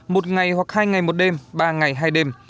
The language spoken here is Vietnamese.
một ngày hoặc hai ngày một đêm ba ngày hai đêm